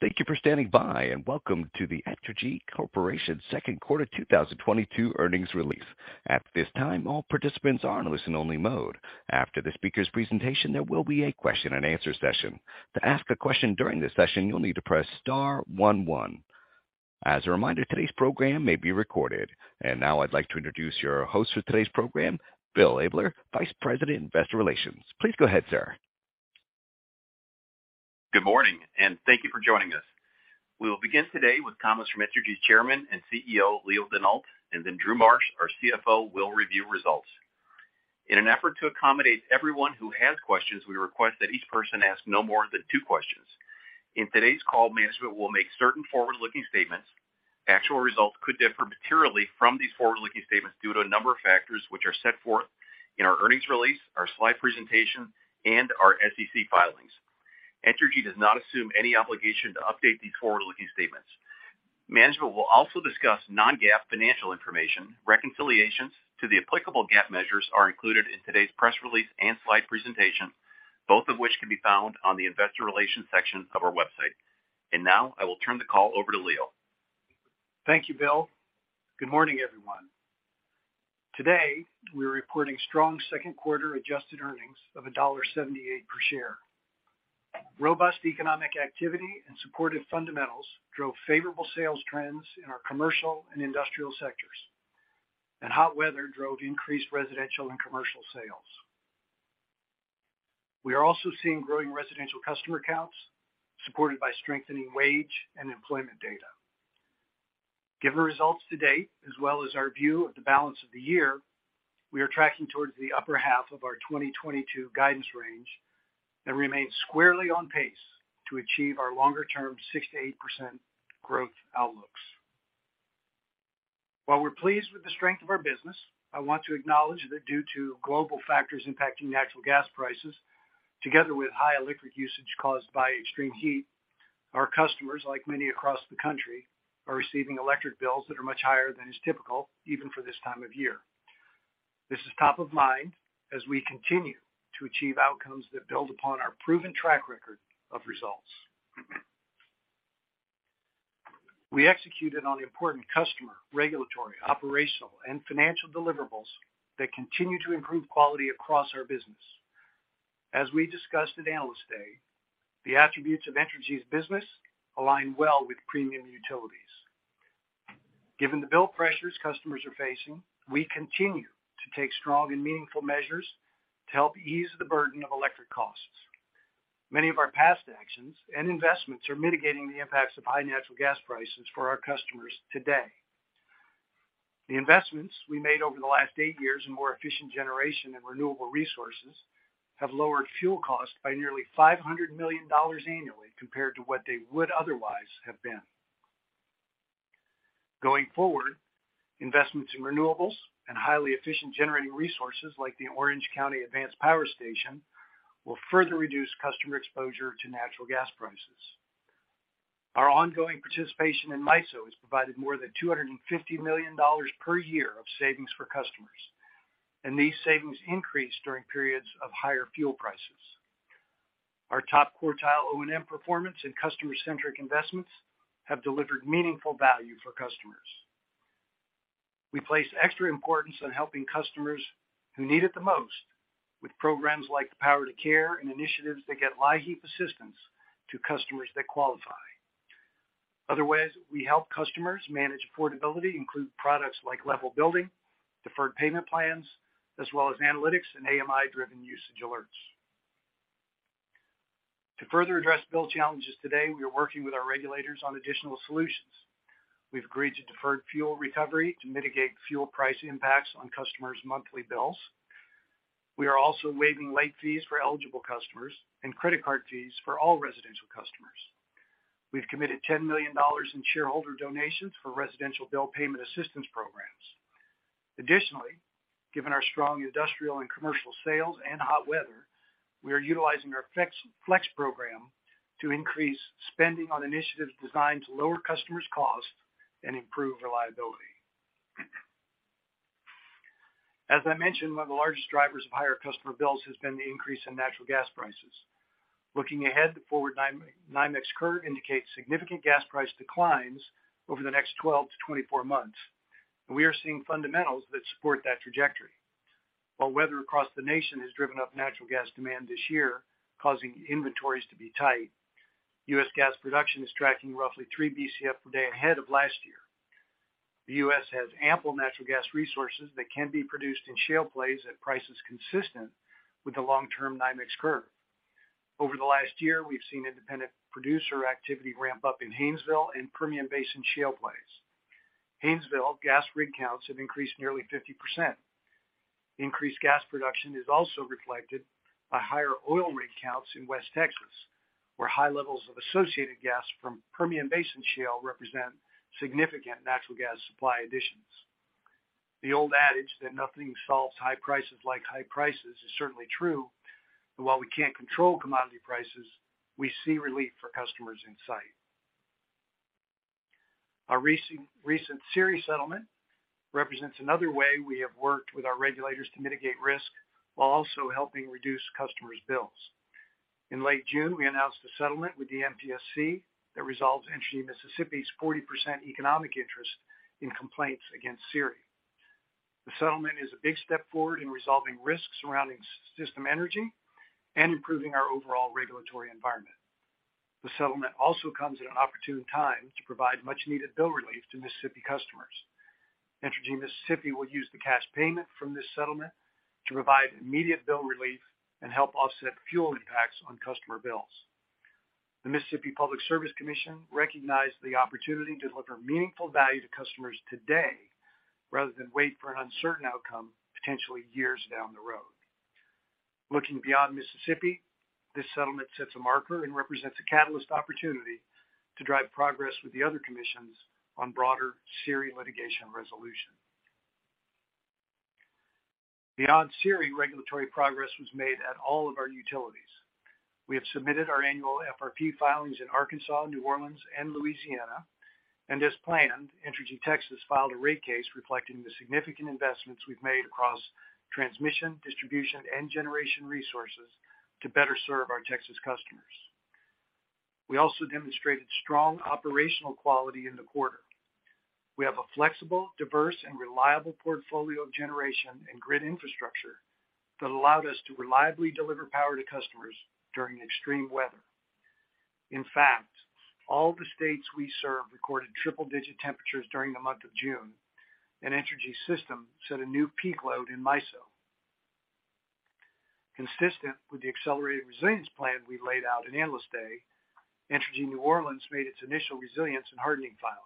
Thank you for standing by, and welcome to the Entergy Corporation Second Quarter 2022 Earnings Release. At this time, all participants are in listen-only mode. After the speaker's presentation, there will be a question-and-answer session. To ask a question during this session, you'll need to press star one one. As a reminder, today's program may be recorded. Now I'd like to introduce your host for today's program, Bill Abler, Vice President, Investor Relations. Please go ahead, sir. Good morning, and thank you for joining us. We will begin today with comments from Entergy's Chairman and CEO, Leo Denault, and then Drew Marsh, our CFO, will review results. In an effort to accommodate everyone who has questions, we request that each person ask no more than two questions. In today's call, management will make certain forward-looking statements. Actual results could differ materially from these forward-looking statements due to a number of factors which are set forth in our earnings release, our slide presentation, and our SEC filings. Entergy does not assume any obligation to update these forward-looking statements. Management will also discuss non-GAAP financial information. Reconciliations to the applicable GAAP measures are included in today's press release and slide presentation, both of which can be found on the investor relations section of our website. Now I will turn the call over to Leo. Thank you, Bill. Good morning, everyone. Today, we're reporting strong second quarter adjusted earnings of $0.78 per share. Robust economic activity and supportive fundamentals drove favorable sales trends in our commercial and industrial sectors, and hot weather drove increased residential and commercial sales. We are also seeing growing residential customer accounts supported by strengthening wage and employment data. Given the results to date, as well as our view of the balance of the year, we are tracking towards the upper half of our 2022 guidance range and remain squarely on pace to achieve our longer-term 6%-8% growth outlooks. While we're pleased with the strength of our business, I want to acknowledge that due to global factors impacting natural gas prices, together with high electric usage caused by extreme heat, our customers like many across the country are receiving electric bills that are much higher than is typical even for this time of year. This is top of mind as we continue to achieve outcomes that build upon our proven track record of results. We executed on important customer, regulatory, operational, and financial deliverables that continue to improve quality across our business. As we discussed at Analyst Day, the attributes of Entergy's business align well with premium utilities. Given the bill pressures customers are facing, we continue to take strong and meaningful measures to help ease the burden of electric costs. Many of our past actions and investments are mitigating the impacts of high natural gas prices for our customers today. The investments we made over the last 8 years in more efficient generation and renewable resources have lowered fuel costs by nearly $500 million annually compared to what they would otherwise have been. Going forward, investments in renewables and highly efficient generating resources like the Orange County Advanced Power Station will further reduce customer exposure to natural gas prices. Our ongoing participation in MISO has provided more than $250 million per year of savings for customers, and these savings increase during periods of higher fuel prices. Our top-quartile O&M performance and customer-centric investments have delivered meaningful value for customers. We place extra importance on helping customers who need it the most with programs like The Power to Care and initiatives that get LIHEAP assistance to customers that qualify. Other ways we help customers manage affordability include products like Level Billing, deferred payment plans, as well as analytics and AMI-driven usage alerts. To further address bill challenges today, we are working with our regulators on additional solutions. We've agreed to deferred fuel recovery to mitigate fuel price impacts on customers' monthly bills. We are also waiving late fees for eligible customers and credit card fees for all residential customers. We've committed $10 million in shareholder donations for residential bill payment assistance programs. Additionally, given our strong industrial and commercial sales and hot weather, we are utilizing our Flex program to increase spending on initiatives designed to lower customers' costs and improve reliability. As I mentioned, one of the largest drivers of higher customer bills has been the increase in natural gas prices. Looking ahead, the forward NYMEX curve indicates significant gas price declines over the next 12-24 months. We are seeing fundamentals that support that trajectory. While weather across the nation has driven up natural gas demand this year, causing inventories to be tight, U.S. gas production is tracking roughly 3 Bcf/d ahead of last year. The U.S. has ample natural gas resources that can be produced in shale plays at prices consistent with the long-term NYMEX curve. Over the last year, we've seen independent producer activity ramp up in Haynesville and Permian Basin shale plays. Haynesville gas rig counts have increased nearly 50%. Increased gas production is also reflected by higher oil rig counts in West Texas, where high levels of associated gas from Permian Basin shale represent significant natural gas supply additions. The old adage that nothing solves high prices like high prices is certainly true, and while we can't control commodity prices, we see relief for customers in sight. Our recent SERI settlement represents another way we have worked with our regulators to mitigate risk while also helping reduce customers' bills. In late June, we announced a settlement with the MPSC that resolves Entergy Mississippi's 40% economic interest in complaints against SERI. The settlement is a big step forward in resolving risks surrounding SERI and improving our overall regulatory environment. The settlement also comes at an opportune time to provide much-needed bill relief to Mississippi customers. Entergy Mississippi will use the cash payment from this settlement to provide immediate bill relief and help offset fuel impacts on customer bills. The Mississippi Public Service Commission recognized the opportunity to deliver meaningful value to customers today rather than wait for an uncertain outcome potentially years down the road. Looking beyond Mississippi, this settlement sets a marker and represents a catalyst opportunity to drive progress with the other commissions on broader SERI litigation resolution. Beyond SERI, regulatory progress was made at all of our utilities. We have submitted our annual FRP filings in Arkansas, New Orleans, and Louisiana. As planned, Entergy Texas filed a rate case reflecting the significant investments we've made across transmission, distribution, and generation resources to better serve our Texas customers. We also demonstrated strong operational quality in the quarter. We have a flexible, diverse, and reliable portfolio of generation and grid infrastructure that allowed us to reliably deliver power to customers during extreme weather. In fact, all the states we serve recorded triple-digit temperatures during the month of June, and Entergy system set a new peak load in MISO. Consistent with the accelerated resilience plan we laid out in Analyst Day, Entergy New Orleans made its initial resilience and hardening filing.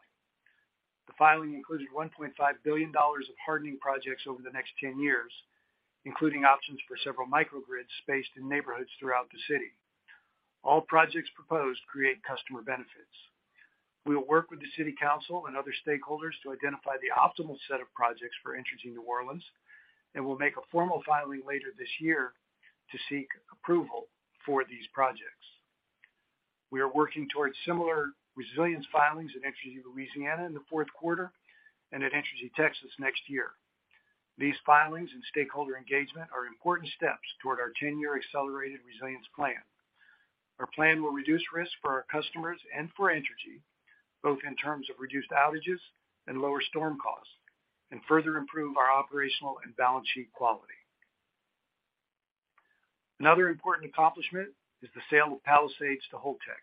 The filing included $1.5 billion of hardening projects over the next 10 years, including options for several microgrids spaced in neighborhoods throughout the city. All projects proposed create customer benefits. We will work with the city council and other stakeholders to identify the optimal set of projects for Entergy New Orleans, and we'll make a formal filing later this year to seek approval for these projects. We are working towards similar resilience filings at Entergy Louisiana in the fourth quarter and at Entergy Texas next year. These filings and stakeholder engagement are important steps toward our 10-year accelerated resilience plan. Our plan will reduce risk for our customers and for Entergy, both in terms of reduced outages and lower storm costs, and further improve our operational and balance sheet quality. Another important accomplishment is the sale of Palisades to Holtec.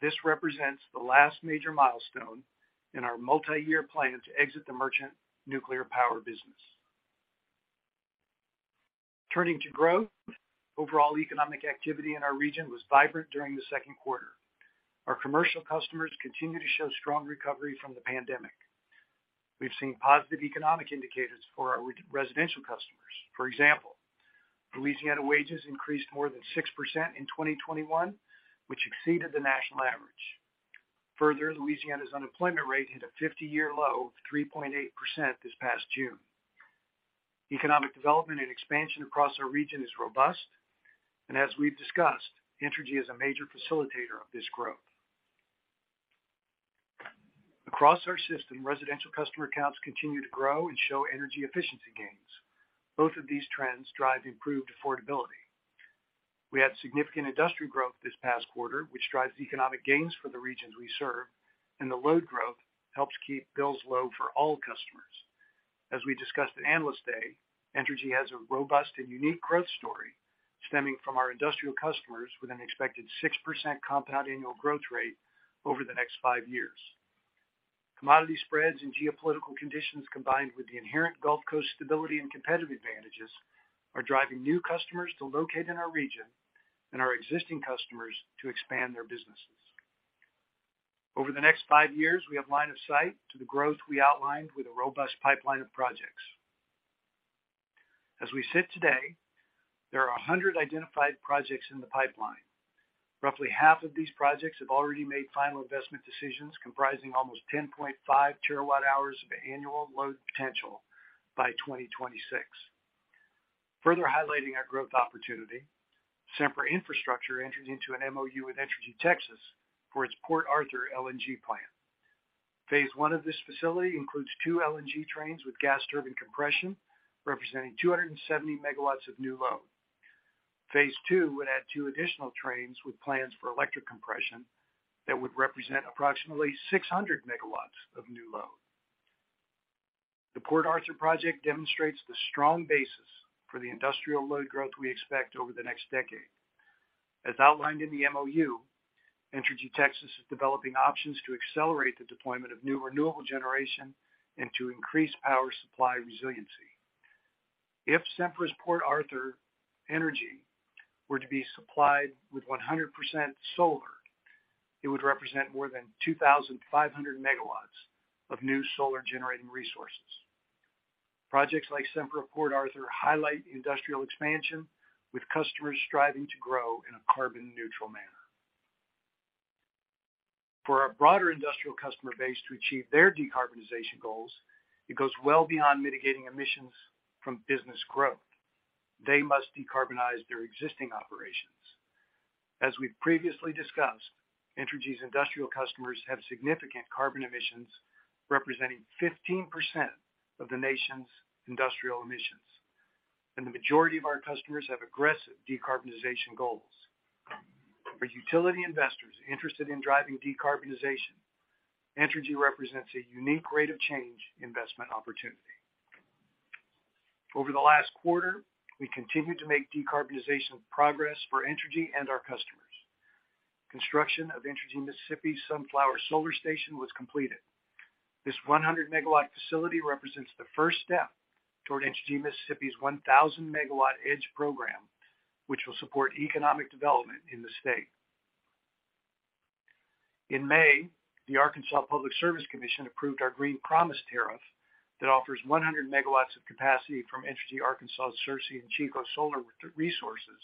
This represents the last major milestone in our multi-year plan to exit the merchant nuclear power business. Turning to growth, overall economic activity in our region was vibrant during the second quarter. Our commercial customers continue to show strong recovery from the pandemic. We've seen positive economic indicators for our residential customers. For example, Louisiana wages increased more than 6% in 2021, which exceeded the national average. Further, Louisiana's unemployment rate hit a 50-year low of 3.8% this past June. Economic development and expansion across our region is robust, and as we've discussed, Entergy is a major facilitator of this growth. Across our system, residential customer accounts continue to grow and show energy efficiency gains. Both of these trends drive improved affordability. We had significant industrial growth this past quarter, which drives economic gains for the regions we serve, and the load growth helps keep bills low for all customers. As we discussed at Analyst Day, Entergy has a robust and unique growth story stemming from our industrial customers with an expected 6% compound annual growth rate over the next 5 years. Commodity spreads and geopolitical conditions, combined with the inherent Gulf Coast stability and competitive advantages, are driving new customers to locate in our region and our existing customers to expand their businesses. Over the next 5 years, we have line of sight to the growth we outlined with a robust pipeline of projects. As we sit today, there are 100 identified projects in the pipeline. Roughly half of these projects have already made final investment decisions comprising almost 10.5 TWh of annual load potential by 2026. Further highlighting our growth opportunity, Sempra Infrastructure entered into an MOU with Entergy Texas for its Port Arthur LNG plant. Phase I of this facility includes 2 LNG trains with gas turbine compression, representing 270 MW of new load. Phase II would add two additional trains with plans for electric compression that would represent approximately 600 MW of new load. The Port Arthur project demonstrates the strong basis for the industrial load growth we expect over the next decade. As outlined in the MOU, Entergy Texas is developing options to accelerate the deployment of new renewable generation and to increase power supply resiliency. If Sempra's Port Arthur energy were to be supplied with 100% solar, it would represent more than 2,500 MW of new solar generating resources. Projects like Sempra Port Arthur highlight industrial expansion, with customers striving to grow in a carbon neutral manner. For our broader industrial customer base to achieve their decarbonization goals, it goes well beyond mitigating emissions from business growth. They must decarbonize their existing operations. As we've previously discussed, Entergy's industrial customers have significant carbon emissions, representing 15% of the nation's industrial emissions, and the majority of our customers have aggressive decarbonization goals. For utility investors interested in driving decarbonization, Entergy represents a unique rate of change investment opportunity. Over the last quarter, we continued to make decarbonization progress for Entergy and our customers. Construction of Entergy Mississippi's Sunflower Solar Station was completed. This 100 MW facility represents the first step toward Entergy Mississippi's 1,000 MW EDGE program, which will support economic development in the state. In May, the Arkansas Public Service Commission approved our Green Promise tariff that offers 100 MW of capacity from Entergy Arkansas' Searcy and Chicot solar resources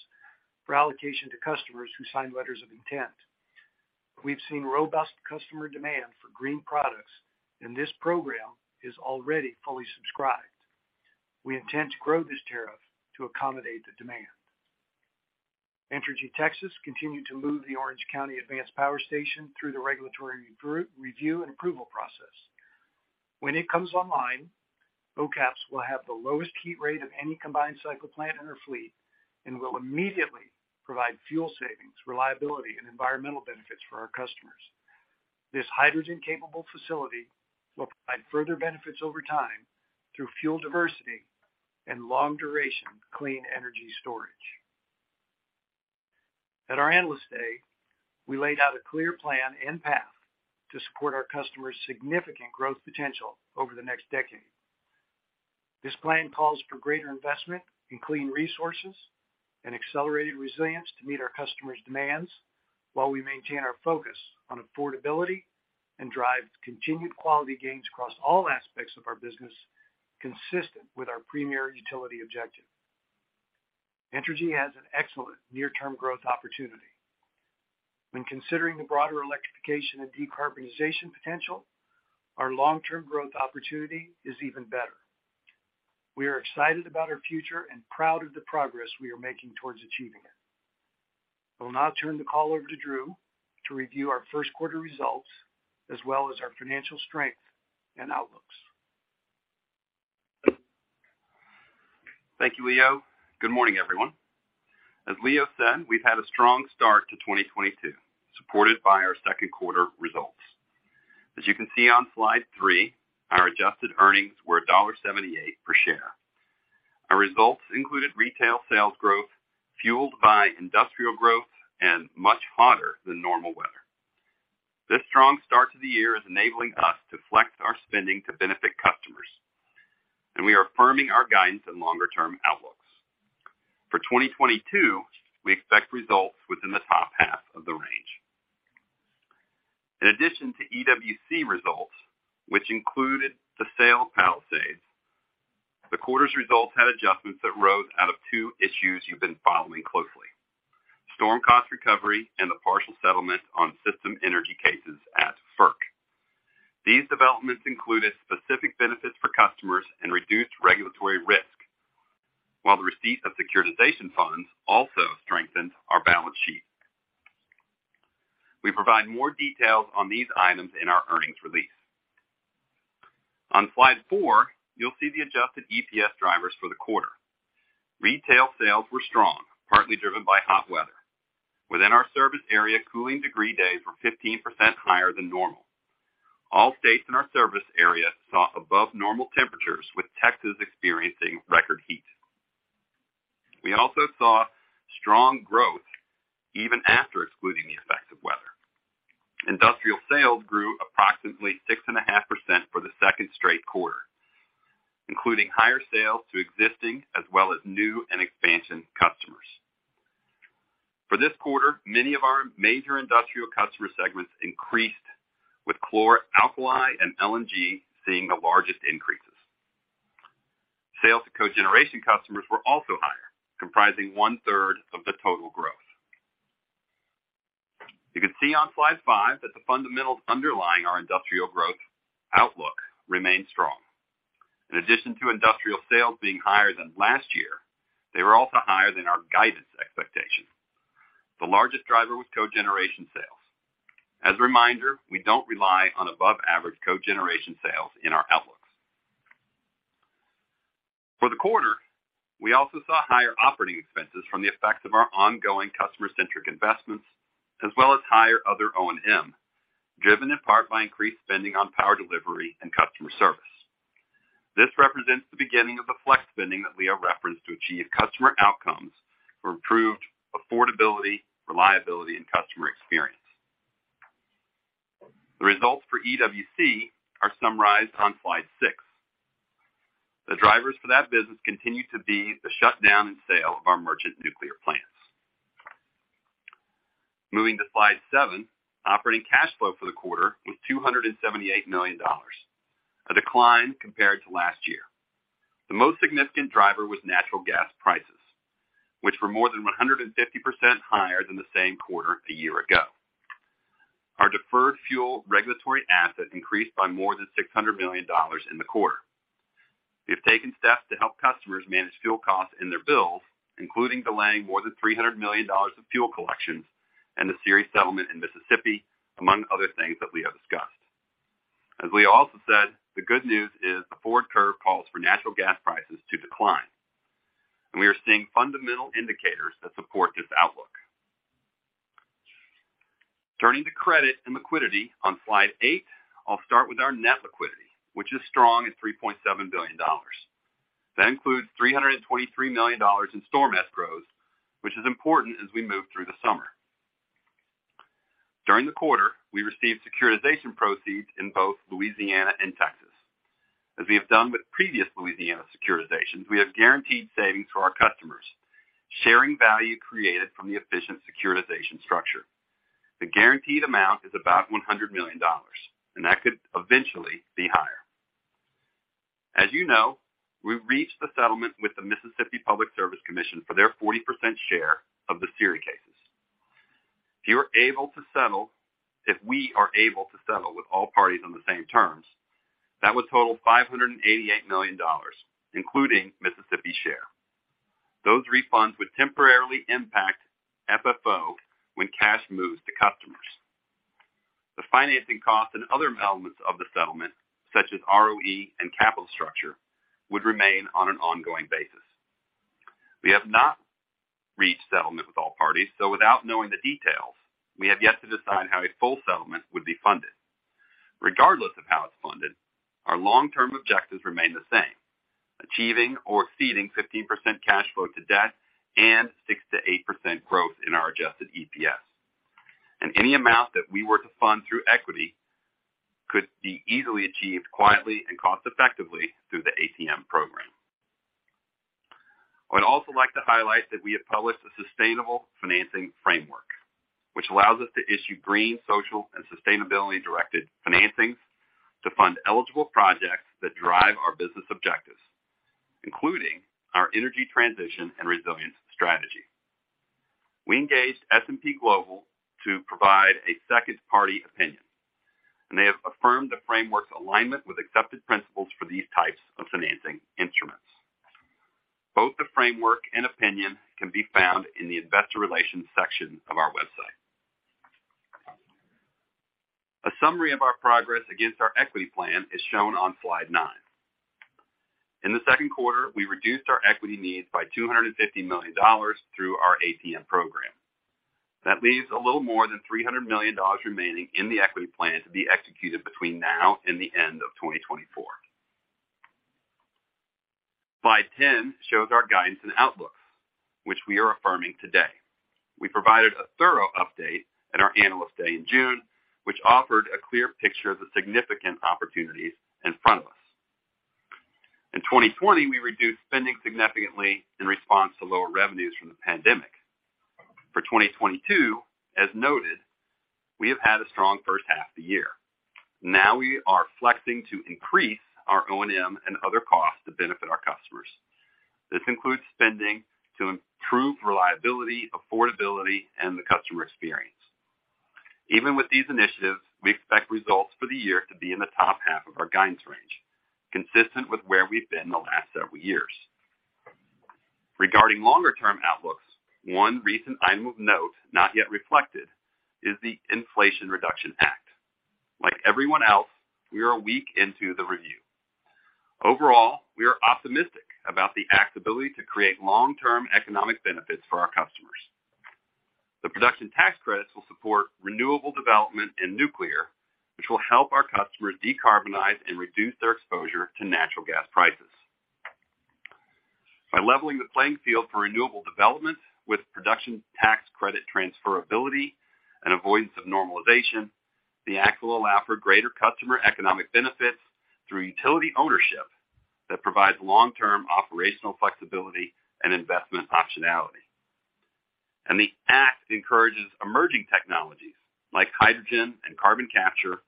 for allocation to customers who sign letters of intent. We've seen robust customer demand for green products, and this program is already fully subscribed. We intend to grow this tariff to accommodate the demand. Entergy Texas continued to move the Orange County Advanced Power Station through the regulatory review and approval process. When it comes online, OCAPS will have the lowest heat rate of any combined cycle plant in our fleet and will immediately provide fuel savings, reliability, and environmental benefits for our customers. This hydrogen-capable facility will provide further benefits over time through fuel diversity and long-duration clean energy storage. At our Analyst Day, we laid out a clear plan and path to support our customers' significant growth potential over the next decade. This plan calls for greater investment in clean resources and accelerated resilience to meet our customers' demands while we maintain our focus on affordability and drive continued quality gains across all aspects of our business, consistent with our premier utility objective. Entergy has an excellent near-term growth opportunity. When considering the broader electrification and decarbonization potential, our long-term growth opportunity is even better. We are excited about our future and proud of the progress we are making towards achieving it. I will now turn the call over to Drew to review our first quarter results, as well as our financial strength and outlooks. Thank you, Leo. Good morning, everyone. As Leo said, we've had a strong start to 2022, supported by our second quarter results. As you can see on slide three, our adjusted earnings were $78 per share. Our results included retail sales growth fueled by industrial growth and much hotter than normal weather. This strong start to the year is enabling us to flex our spending to benefit customers, and we are affirming our guidance and longer-term outlooks. For 2022, we expect results within the top half of the range. In addition to EWC results, which included the sale of Palisades, the quarter's results had adjustments that arose out of two issues you've been following closely, storm cost recovery and the partial settlement on system energy cases at FERC. These developments included specific benefits for customers and reduced regulatory risk, while the receipt of securitization funds also strengthened our balance sheet. We provide more details on these items in our earnings release. On slide four, you'll see the adjusted EPS drivers for the quarter. Retail sales were strong, partly driven by hot weather. Within our service area, cooling degree days were 15% higher than normal. All states in our service area saw above normal temperatures, with Texas experiencing record heat. We also saw strong growth even after excluding the effects of weather. Industrial sales grew approximately 6.5% for the second straight quarter, including higher sales to existing as well as new and expansion customers. For this quarter, many of our major industrial customer segments increased, with chlor-alkali and LNG seeing the largest increases. Sales to cogeneration customers were also higher, comprising 1/3 of the total growth. You can see on slide five that the fundamentals underlying our industrial growth outlook remain strong. In addition to industrial sales being higher than last year, they were also higher than our guidance expectations. The largest driver was cogeneration sales. As a reminder, we don't rely on above-average cogeneration sales in our outlooks. For the quarter, we also saw higher operating expenses from the effects of our ongoing customer-centric investments as well as higher other O&M, driven in part by increased spending on power delivery and customer service. This represents the beginning of the flex spending that Leo referenced to achieve customer outcomes for improved affordability, reliability, and customer experience. The results for EWC are summarized on slide six. The drivers for that business continue to be the shutdown and sale of our merchant nuclear plants. Moving to slide seven, operating cash flow for the quarter was $278 million, a decline compared to last year. The most significant driver was natural gas prices, which were more than 150% higher than the same quarter a year ago. Our deferred fuel regulatory assets increased by more than $600 million in the quarter. We have taken steps to help customers manage fuel costs in their bills, including delaying more than $300 million of fuel collections and the SERI settlement in Mississippi, among other things that we have discussed. As we also said, the good news is the forward curve calls for natural gas prices to decline, and we are seeing fundamental indicators that support this outlook. Turning to credit and liquidity on slide eight, I'll start with our net liquidity, which is strong at $3.7 billion. That includes $323 million in storm escrows, which is important as we move through the summer. During the quarter, we received securitization proceeds in both Louisiana and Texas. As we have done with previous Louisiana securitizations, we have guaranteed savings for our customers, sharing value created from the efficient securitization structure. The guaranteed amount is about $100 million, and that could eventually be higher. As you know, we've reached the settlement with the Mississippi Public Service Commission for their 40% share of the SERI cases. If we are able to settle with all parties on the same terms, that would total $588 million, including Mississippi's share. Those refunds would temporarily impact FFO when cash moves to customers. The financing costs and other elements of the settlement, such as ROE and capital structure, would remain on an ongoing basis. We have not reached settlement with all parties, so without knowing the details, we have yet to decide how a full settlement would be funded. Regardless of how it's funded, our long-term objectives remain the same, achieving or exceeding 15% cash flow to debt and 6%-8% growth in our adjusted EPS. Any amount that we were to fund through equity could be easily achieved quietly and cost-effectively through the ATM program. I'd also like to highlight that we have published a sustainable financing framework, which allows us to issue green, social, and sustainability-directed financings to fund eligible projects that drive our business objectives, including our energy transition and resilience strategy. We engaged S&P Global to provide a second-party opinion, and they have affirmed the framework's alignment with accepted principles for these types of financing instruments. Both the framework and opinion can be found in the investor relations section of our website. A summary of our progress against our equity plan is shown on slide nine. In the second quarter, we reduced our equity needs by $250 million through our ATM program that leaves a little more than $300 million remaining in the equity plan to be executed between now and the end of 2024. Slide 10 shows our guidance and outlook, which we are affirming today. We provided a thorough update at our Analyst Day in June, which offered a clear picture of the significant opportunities in front of us. In 2020, we reduced spending significantly in response to lower revenues from the pandemic. For 2022, as noted, we have had a strong first half of the year. Now we are flexing to increase our O&M and other costs to benefit our customers. This includes spending to improve reliability, affordability, and the customer experience. Even with these initiatives, we expect results for the year to be in the top half of our guidance range, consistent with where we've been the last several years. Regarding longer-term outlooks, one recent item of note not yet reflected is the Inflation Reduction Act. Like everyone else, we are a week into the review. Overall, we are optimistic about the Act's ability to create long-term economic benefits for our customers. The production tax credits will support renewable development and nuclear, which will help our customers decarbonize and reduce their exposure to natural gas prices. By leveling the playing field for renewable development with production tax credit transferability and avoidance of normalization, the Act will allow for greater customer economic benefits through utility ownership that provides long-term operational flexibility and investment optionality. The Act encourages emerging technologies like hydrogen and carbon capture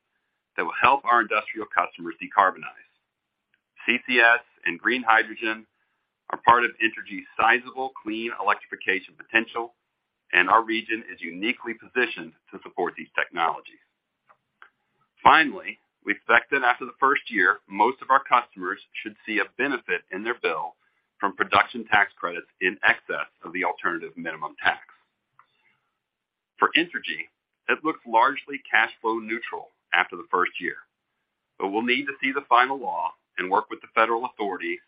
that will help our industrial customers decarbonize. CCS and green hydrogen are part of Entergy's sizable clean electrification potential, and our region is uniquely positioned to support these technologies. Finally, we expect that after the first year, most of our customers should see a benefit in their bill from production tax credits in excess of the alternative minimum tax. For Entergy, it looks largely cash flow neutral after the first year, but we'll need to see the final law and work with the federal authorities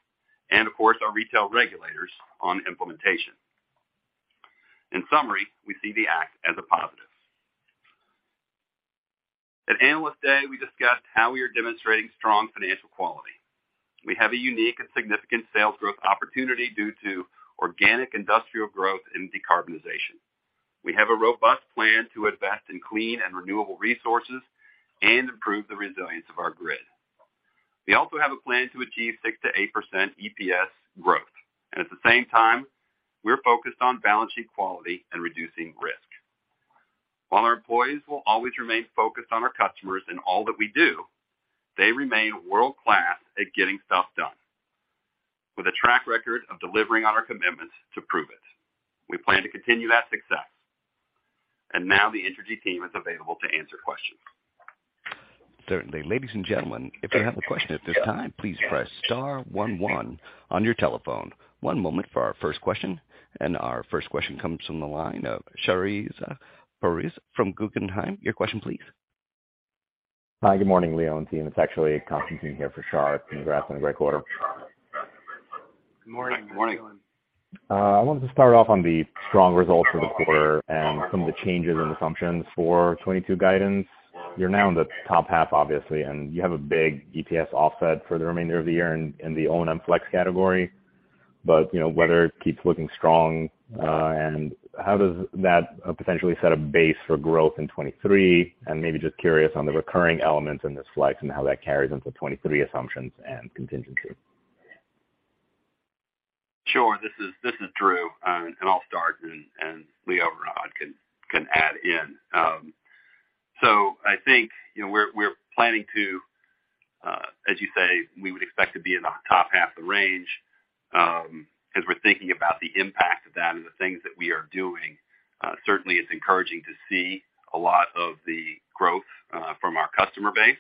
and of course, our retail regulators on implementation. In summary, we see the Act as a positive. At Analyst Day, we discussed how we are demonstrating strong financial quality. We have a unique and significant sales growth opportunity due to organic industrial growth and decarbonization. We have a robust plan to invest in clean and renewable resources and improve the resilience of our grid. We also have a plan to achieve 6%-8% EPS growth. At the same time, we're focused on balance sheet quality and reducing risk. While our employees will always remain focused on our customers in all that we do, they remain world-class at getting stuff done with the track record of delivering on our commitments to prove it. We plan to continue that success. Now the Entergy team is available to answer questions. Certainly. Ladies and gentlemen, if you have a question at this time, please press star one one on your telephone. One moment for our first question. Our first question comes from the line of Shahriar Pourreza from Guggenheim. Your question, please. Hi. Good morning, Leo and team. It's actually Constantine here for Shar. Congratulations on a great quarter. Good morning. Good morning. I wanted to start off on the strong results for the quarter and some of the changes in assumptions for 2022 guidance. You're now in the top half, obviously, and you have a big EPS offset for the remainder of the year in the O&M flex category. You know, weather keeps looking strong. How does that potentially set a base for growth in 2023? Maybe just curious on the recurring elements in this flex and how that carries into 2023 assumptions and contingency. Sure. This is Drew, and I'll start, and Leo and Rod can add in. I think, you know, we're planning to, as you say, we would expect to be in the top half of the range. As we're thinking about the impact of that and the things that we are doing, certainly it's encouraging to see a lot of the growth from our customer base.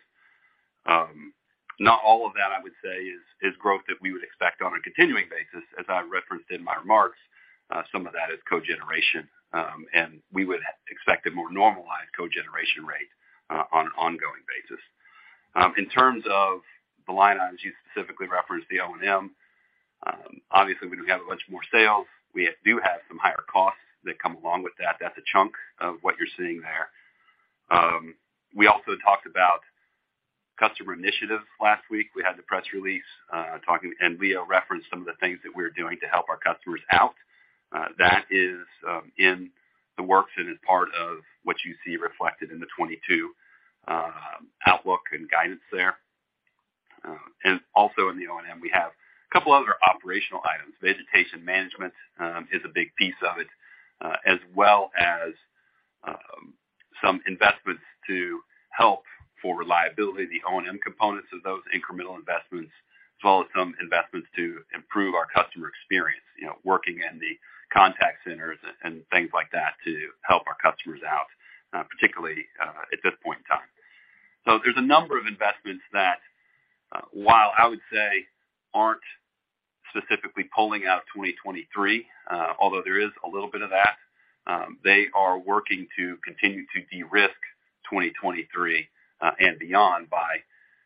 Not all of that, I would say, is growth that we would expect on a continuing basis. As I referenced in my remarks, some of that is cogeneration. We would expect a more normalized cogeneration rate on an ongoing basis. In terms of the line items, you specifically referenced the O&M. Obviously, when we have a bunch more sales, we do have some higher costs that come along with that. That's a chunk of what you're seeing there. We also talked about customer initiatives last week. We had the press release talking and Leo referenced some of the things that we're doing to help our customers out. That is in the works and is part of what you see reflected in the 2022 outlook and guidance there. Also in the O&M, we have a couple of other operational items. Vegetation management is a big piece of it, as well as some investments to help for reliability, the O&M components of those incremental investments, as well as some investments to improve our customer experience. You know, working in the contact centers and things like that to help our customers out, particularly, at this point in time. There's a number of investments that, while I would say aren't specifically pulling out 2023, although there is a little bit of that, they are working to continue to de-risk 2023, and beyond by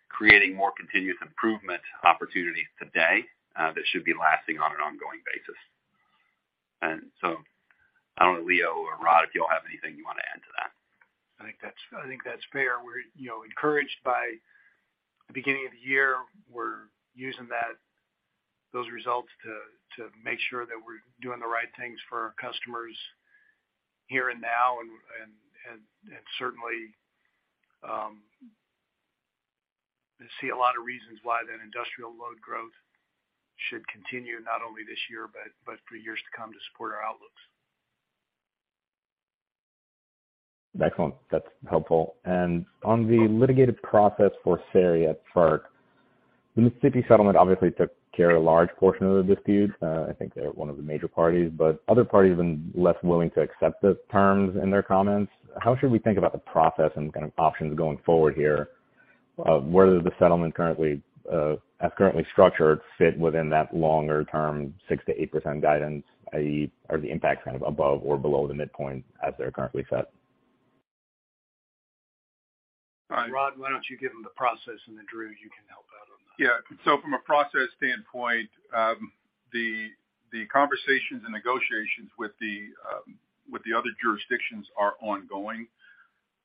creating more continuous improvement opportunities today, that should be lasting on an ongoing basis. I don't know, Leo or Rod, if y'all have anything you want to add to that. I think that's fair. We're, you know, encouraged by the beginning of the year. We're using those results to make sure that we're doing the right things for our customers here and now. Certainly, I see a lot of reasons why that industrial load growth should continue not only this year, but for years to come to support our outlooks. Excellent. That's helpful. On the litigated process for SERI at FERC, the Mississippi settlement obviously took care of a large portion of the dispute. I think they're one of the major parties, but other parties have been less willing to accept the terms in their comments. How should we think about the process and kind of options going forward here? Whether the settlement currently, as currently structured, fit within that longer-term 6%-8% guidance, i.e., are the impacts kind of above or below the midpoint as they're currently set? Rod, why don't you give him the process, and then Drew, you can help out on that. Yeah. From a process standpoint, the conversations and negotiations with the other jurisdictions are ongoing.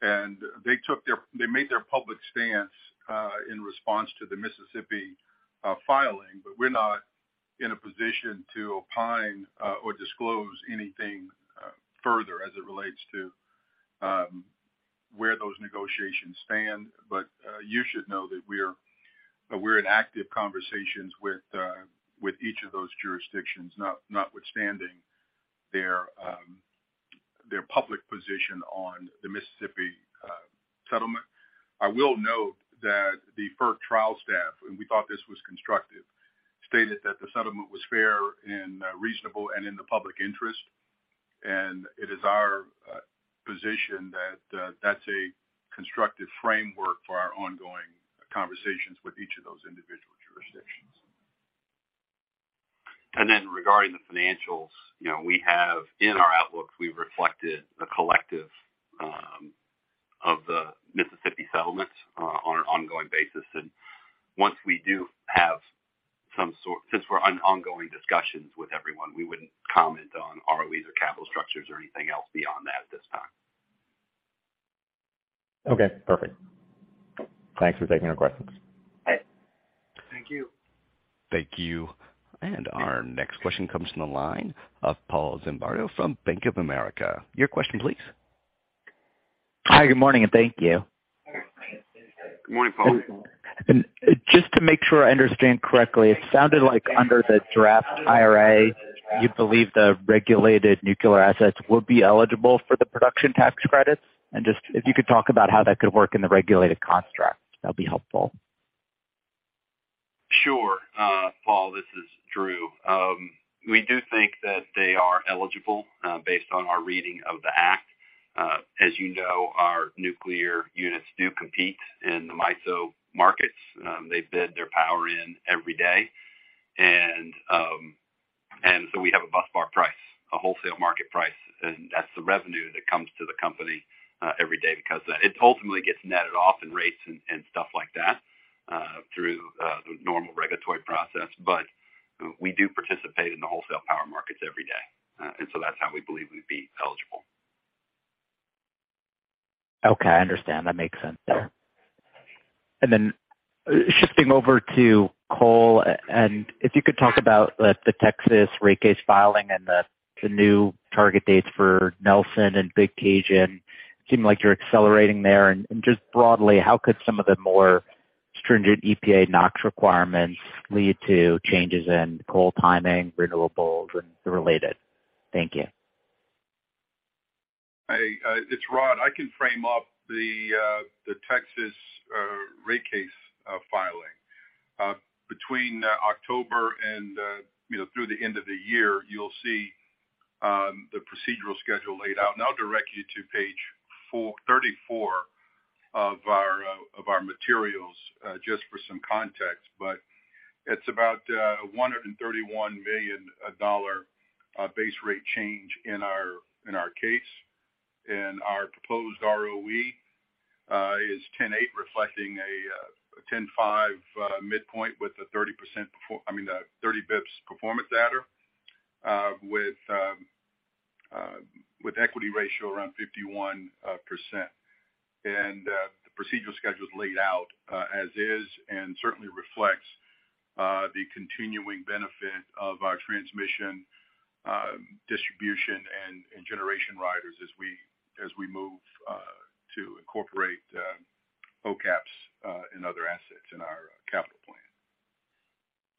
They made their public stance in response to the Mississippi filing. We're not in a position to opine or disclose anything further as it relates to where those negotiations stand. You should know that we're in active conversations with each of those jurisdictions, notwithstanding their public position on the Mississippi settlement. I will note that the FERC trial staff, and we thought this was constructive, stated that the settlement was fair and reasonable and in the public interest. It is our position that that's a constructive framework for our ongoing conversations with each of those individual jurisdictions. Then regarding the financials, you know, we have in our outlooks, we've reflected the collective of the Mississippi settlement on an ongoing basis. Once we do have some sort since we're in ongoing discussions with everyone, we wouldn't comment on ROEs or capital structures or anything else beyond that at this time. Okay, perfect. Thanks for taking our questions. Okay. Thank you. Thank you. Our next question comes from the line of Paul Zimbardo from Bank of America. Your question, please. Hi, good morning, and thank you. Good morning, Paul. Just to make sure I understand correctly, it sounded like under the draft IRA, you believe the regulated nuclear assets will be eligible for the production tax credits? Just if you could talk about how that could work in the regulated construct, that'd be helpful. Sure. Paul, this is Drew. We do think that they are eligible based on our reading of the Act. As you know, our nuclear units do compete in the MISO markets. They bid their power in every day. We have a busbar price, a wholesale market price, and that's the revenue that comes to the company every day because it ultimately gets netted off in rates and stuff like that through the normal regulatory process. We do participate in the wholesale power markets every day. That's how we believe we'd be eligible. Okay, I understand. That makes sense there. Then shifting over to coal, and if you could talk about the Texas rate case filing and the new target dates for Nelson and Big Cajun seem like you're accelerating there. Just broadly, how could some of the more stringent EPA NOx requirements lead to changes in coal timing, renewables, and the related? Thank you. Hey, it's Rod. I can frame up the Texas rate case filing. Between October and, you know, through the end of the year, you'll see the procedural schedule laid out. I'll direct you to page 434 of our materials just for some context. It's about a $131 million base rate change in our case. Our proposed ROE is 10.8, reflecting a 10.5 midpoint with a, I mean, 30 basis points performance adder, with equity ratio around 51%. The procedural schedule is laid out, as is, and certainly reflects the continuing benefit of our transmission, distribution and generation riders as we move to incorporate OCAPS and other assets in our capital plan.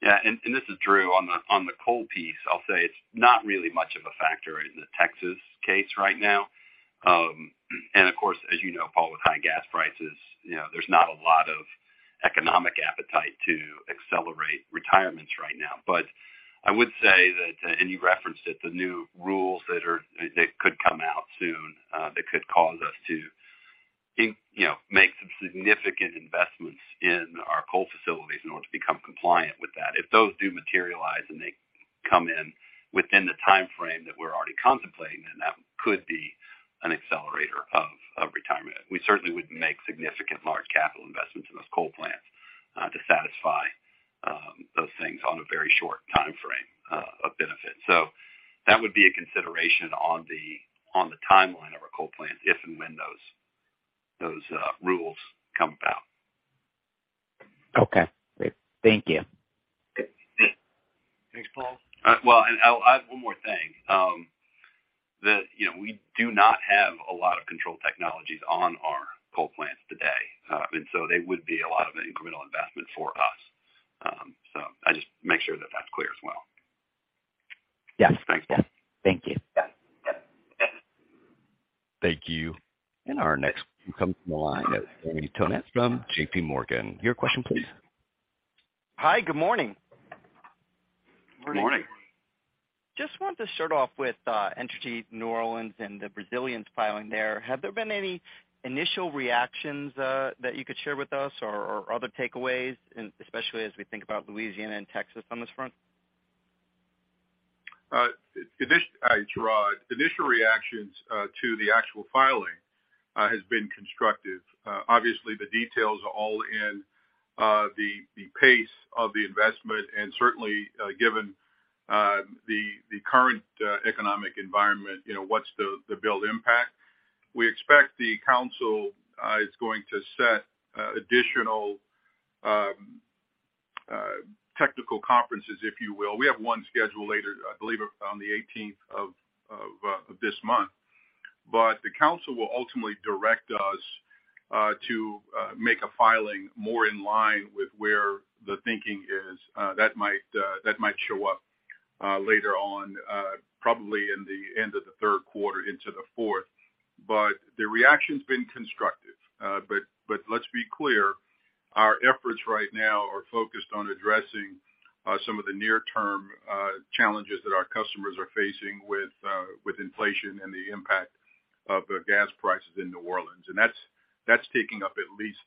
Yeah. This is Drew. On the coal piece, I'll say it's not really much of a factor in the Texas case right now. Of course, as you know, Paul, with high gas prices, you know, there's not a lot of economic appetite to accelerate retirements right now. I would say that, and you referenced it, the new rules that could come out soon, that could cause us to you know, make some significant investments in our coal facilities in order to become compliant with that. If those do materialize and they come in within the timeframe that we're already contemplating, then that could be an accelerator of retirement. We certainly wouldn't make significant large capital investments in those coal plants to satisfy those things on a very short timeframe of benefit. That would be a consideration on the timeline of our coal plant if and when those rules come about. Okay, great. Thank you. Thanks, Paul. I'll add one more thing. You know, we do not have a lot of control technologies on our coal plants today. They would be a lot of incremental investment for us. I just make sure that that's clear as well. Yes. Thanks. Thank you. Yeah. Thank you. Our next comes from the line of Jeremy Tonet from JP Morgan. Your question please. Hi, good morning. Good morning. Just wanted to start off with, Entergy New Orleans and the resilience filing there. Have there been any initial reactions, that you could share with us or other takeaways, and especially as we think about Louisiana and Texas on this front? Hi, it's Rod. Initial reactions to the actual filing has been constructive. Obviously the details are all in the pace of the investment and certainly given the current economic environment, you know, what's the build impact. We expect the council is going to set additional technical conferences, if you will. We have one scheduled later, I believe on the eighteenth of this month. The council will ultimately direct us to make a filing more in line with where the thinking is. That might show up later on, probably in the end of the third quarter into the fourth. The reaction's been constructive. Let's be clear, our efforts right now are focused on addressing some of the near-term challenges that our customers are facing with inflation and the impact of the gas prices in New Orleans. That's taking up at least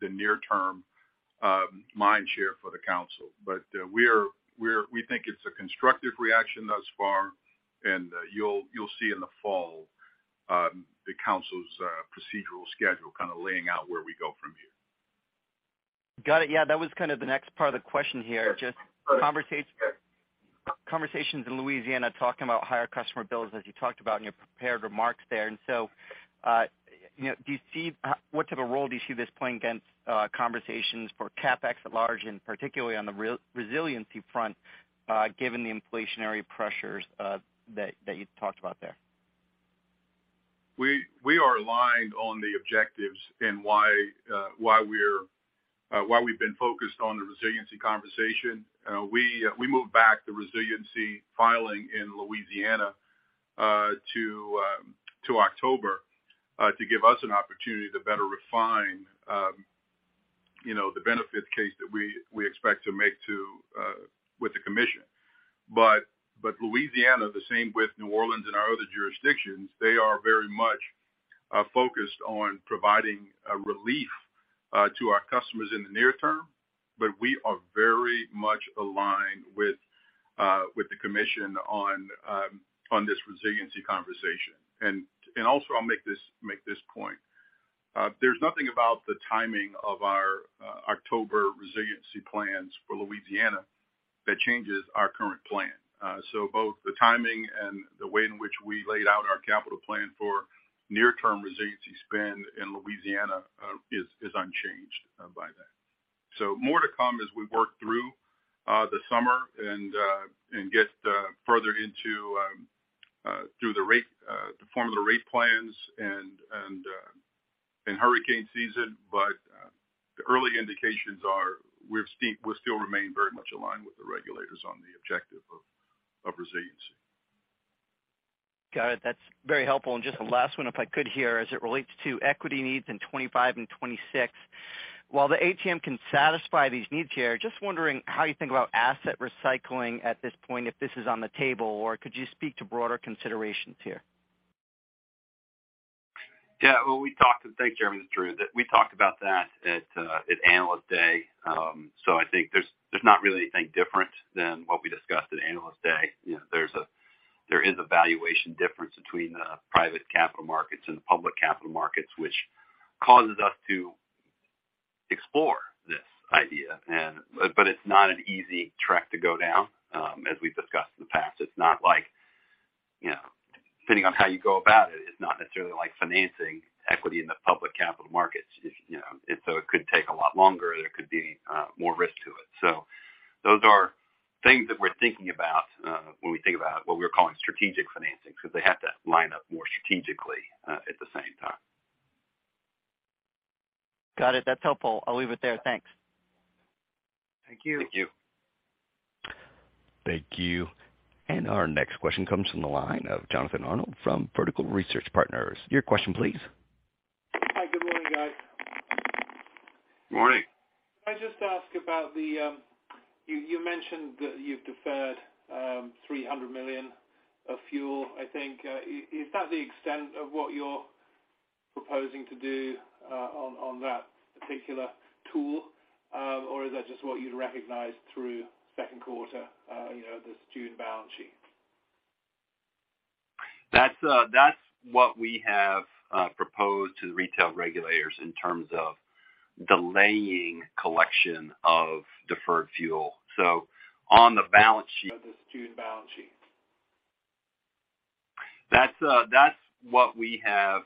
the near-term mind share for the council. We think it's a constructive reaction thus far, and you'll see in the fall the council's procedural schedule kind of laying out where we go from here. Got it. Yeah, that was kind of the next part of the question here. Just conversations in Louisiana talking about higher customer bills as you talked about in your prepared remarks there. You know, what type of role do you see this playing against conversations for CapEx at large, and particularly on the resiliency front, given the inflationary pressures that you talked about there? We are aligned on the objectives and why we've been focused on the resilience conversation. We moved back the resilience filing in Louisiana to October to give us an opportunity to better refine you know the benefit case that we expect to make with the commission. But Louisiana, the same with New Orleans and our other jurisdictions, they are very much focused on providing relief to our customers in the near term, but we are very much aligned with the commission on this resilience conversation. Also, I'll make this point. There's nothing about the timing of our October resilience plans for Louisiana that changes our current plan. Both the timing and the way in which we laid out our capital plan for near-term resiliency spend in Louisiana is unchanged by that. More to come as we work through the summer and get further into the formula rate plans and hurricane season. The early indications are we still remain very much aligned with the regulators on the objective of resiliency. Got it. That's very helpful. Just the last one, if I could here, as it relates to equity needs in 2025 and 2026, while the ATM can satisfy these needs here, just wondering how you think about asset recycling at this point, if this is on the table, or could you speak to broader considerations here? Yeah. Well, thanks, Jeremy. This is Drew. That we talked about that at Analyst Day. I think there's not really anything different than what we discussed at Analyst Day. You know, there is a valuation difference between the private capital markets and the public capital markets, which causes us to explore this idea. It's not an easy track to go down, as we've discussed in the past. It's not like, you know, depending on how you go about it's not necessarily like financing equity in the public capital markets. You know, it could take a lot longer. There could be more risk to it. Those are things that we're thinking about, when we think about what we're calling strategic financing because they have to line up more strategically, at the same time. Got it. That's helpful. I'll leave it there. Thanks. Thank you. Thank you. Thank you. Our next question comes from the line of Jonathan Arnold from Vertical Research Partners. Your question, please. Hi. Good morning, guys. Good morning. Can I just ask about the. You mentioned that you've deferred $300 million of fuel, I think. Is that the extent of what you're proposing to do on that particular tool? Or is that just what you'd recognize through second quarter, you know, this June balance sheet? That's what we have proposed to the retail regulators in terms of delaying collection of deferred fuel. On the balance sheet. Of this June balance sheet. That's what we have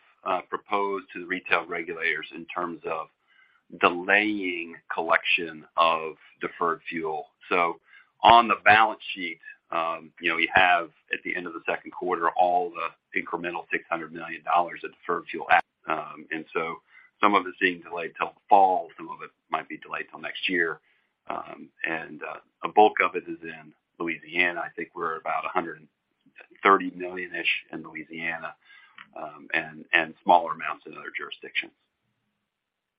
proposed to the retail regulators in terms of delaying collection of deferred fuel. On the balance sheet, you know, we have, at the end of the second quarter, all the incremental $600 million of deferred fuel at and so some of it's being delayed till the fall. Some of it might be delayed till next year. A bulk of it is in Louisiana. I think we're about $130 million-ish in Louisiana, and smaller amounts in other jurisdictions.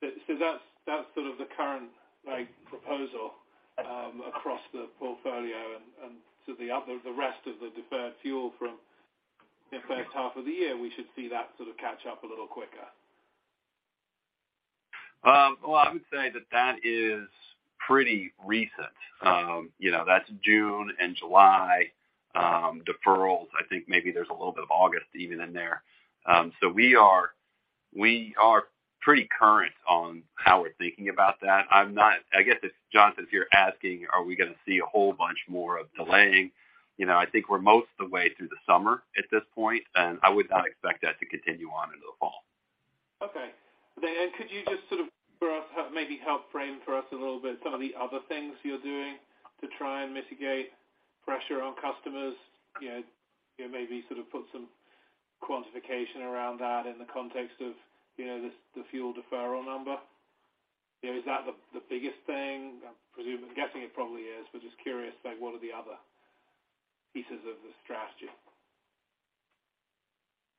That's sort of the current, like, proposal across the portfolio and so the rest of the deferred fuel from the first half of the year, we should see that sort of catch up a little quicker. Well, I would say that is pretty recent. You know, that's June and July deferrals. I think maybe there's a little bit of August even in there. So we are pretty current on how we're thinking about that. I guess if, Jonathan, if you're asking, are we gonna see a whole bunch more of delaying, you know, I think we're most of the way through the summer at this point, and I would not expect that to continue on into the fall. Okay. Could you just sort of for us, maybe help frame for us a little bit some of the other things you're doing to try and mitigate pressure on customers? You know, maybe sort of put some quantification around that in the context of, you know, this, the fuel deferral number. You know, is that the biggest thing? I'm guessing it probably is, but just curious, like, what are the other pieces of the strategy?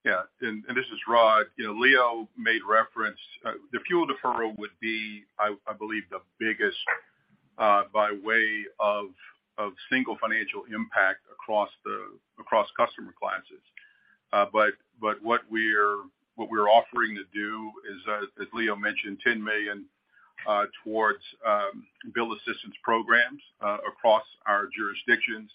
Yeah. This is Rod. You know, Leo made reference. The fuel deferral would be, I believe the biggest by way of single financial impact across the customer classes. What we're offering to do is, as Leo mentioned, $10 million towards bill assistance programs across our jurisdictions.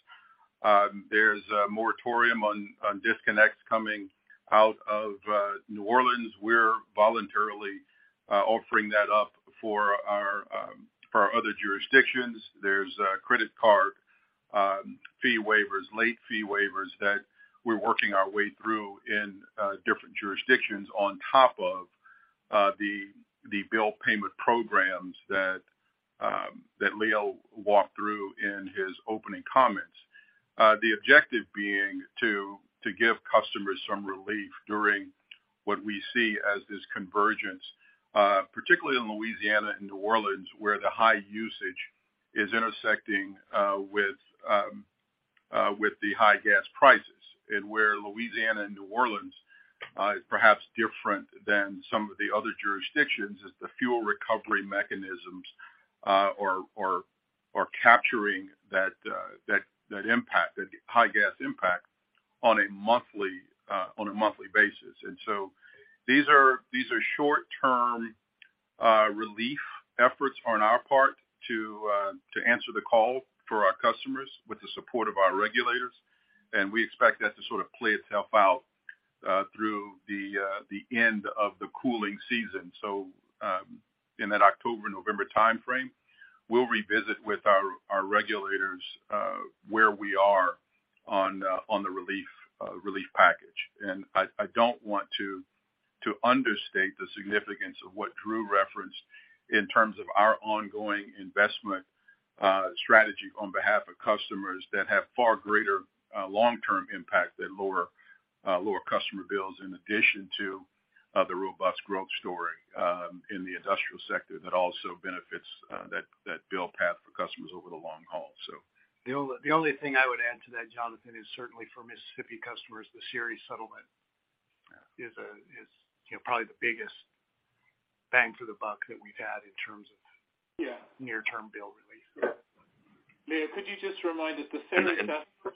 There's a moratorium on disconnects coming out of New Orleans. We're voluntarily offering that up for our other jurisdictions. There's credit card fee waivers, late fee waivers that we're working our way through in different jurisdictions on top of the bill payment programs that Leo walked through in his opening comments. The objective being to give customers some relief during what we see as this convergence, particularly in Louisiana and New Orleans, where the high usage is intersecting with the high gas prices. Where Louisiana and New Orleans is perhaps different than some of the other jurisdictions is the fuel recovery mechanisms are capturing that impact, that high gas impact on a monthly basis. These are short-term relief efforts on our part to answer the call for our customers with the support of our regulators, and we expect that to sort of play itself out through the end of the cooling season. In that October-November timeframe, we'll revisit with our regulators where we are on the relief package. I don't want to understate the significance of what Drew referenced in terms of our ongoing investment strategy on behalf of customers that have far greater long-term impact than lower customer bills, in addition to the robust growth story in the industrial sector that also benefits that bill path for customers over the long haul. The only thing I would add to that, Jonathan, is certainly for Mississippi customers, the SERI settlement is, you know, probably the biggest bang for the buck that we've had in terms of. Yeah. Near-term bill relief. Yeah. Leo, could you just remind us the consent decree